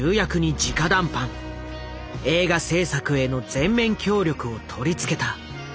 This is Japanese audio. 映画製作への全面協力を取りつけた。